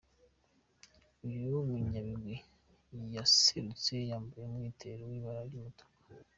Uyu munyabigwi yaserutse yambaye umwitero w’ibara ry’umutuku.